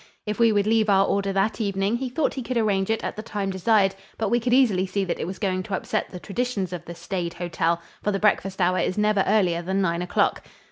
If we would leave our order that evening he thought he could arrange it at the time desired, but we could easily see that it was going to upset the traditions of the staid hotel, for the breakfast hour is never earlier than nine o'clock.